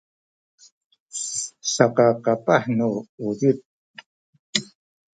saka kapah nu uzip